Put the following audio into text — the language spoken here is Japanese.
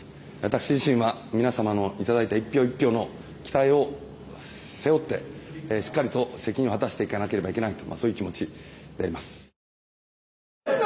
私自身は皆様の頂いた一票一票の期待を背負ってしっかりと責任を果たしていかなければいけないというそういう気持ちであります。